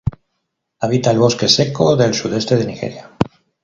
Habita el bosque seco del sudeste de Nigeria.